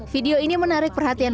video ini menarik perhatian